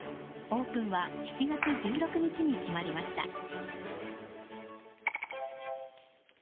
オープンは７月１６日に決まりました。